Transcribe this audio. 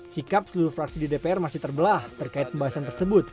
sikap seluruh fraksi di dpr masih terbelah terkait pembahasan tersebut